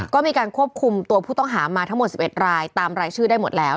ก็มีการควบคุมตัวผู้ต้องหามาทั้งหมด๑๑รายตามรายชื่อได้หมดแล้ว